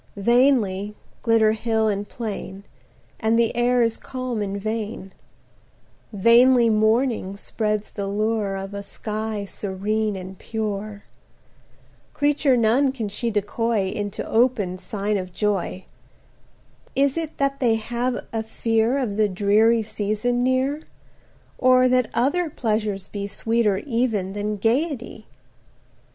Vainly glitter hill and plain, And the air is calm in vain; Vainly Morning spreads the lure Of a sky serene and pure; Creature none can she decoy Into open sign of joy: 90 Is it that they have a fear Of the dreary season near? Or that other pleasures be Sweeter even than gaiety?